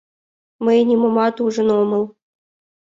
Мый нимомат ужын омыл!..